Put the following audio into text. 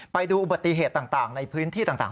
ไปดูอุบัติเหตุต่างในพื้นที่ต่าง